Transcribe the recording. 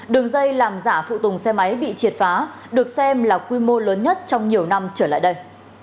đường dây làm giả phụ tùng xe máy bị triệt phá được xem là quy mô lớn nhất trong nhiều năm trở lại đây